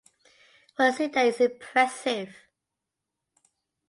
What is seen there is impressive.